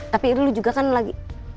tapi dulu juga kan lagi